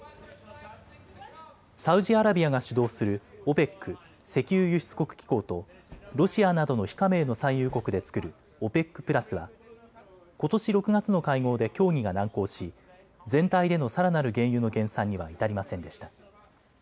サウジアラビアが主導するＯＰＥＣ・石油輸出国機構とロシアなどの非加盟の産油国で作るＯＰＥＣプラスはことし６月の会合で協議が難航し全体でのさらなる原油の減産には至りませんでした。